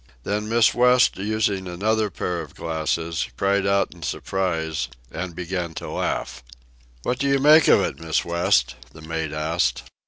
Then Miss West, using another pair of glasses, cried out in surprise and began to laugh. "What do you make of it, Miss West?" the mate asked.